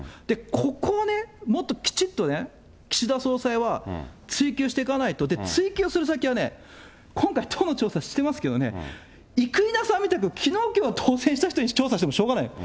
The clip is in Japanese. ここをね、もっときちっとね、岸田総裁は追及していかないと、追及する先はね、今回、党の調査してますけどね、生稲さんみたくきのうきょう当選した人に調査してもしょうがないの。